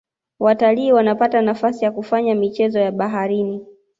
watalii wanapata nafasi ya kufanya michezo ya baharini